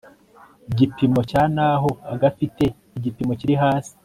gipimo cya naho agafite igipimo kiri hasi